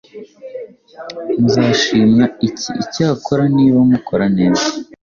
muzashimwa iki? icyakora, niba mukora neza